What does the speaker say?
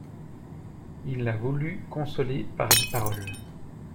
Il la voulut consoler par des paroles.